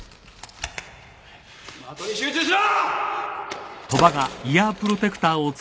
的に集中しろ！